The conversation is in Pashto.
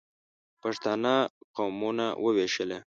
پښتانه قومونه ووېشله.